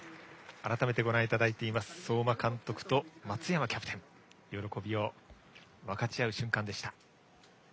改めてご覧いただいています相馬監督と松山キャプテンが喜びを分かち合う瞬間でした。